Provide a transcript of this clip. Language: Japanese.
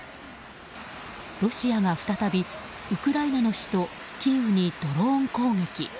ロシアが再びウクライナの首都キーウにドローン攻撃。